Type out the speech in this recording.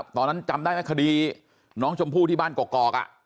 ตอนนั้นจำได้ไหมคดีน้องชมพู่ที่บ้านกอก